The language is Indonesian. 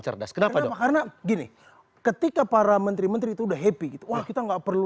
cerdas kenapa karena gini ketika para menteri menteri itu udah happy gitu wah kita nggak perlu